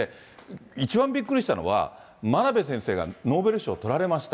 一番びっくりしたのは、真鍋先生がノーベル賞とられました。